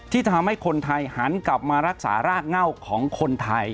ที่จะทำให้คนไทยหันกลับมารักษารากเง่าของคนไทย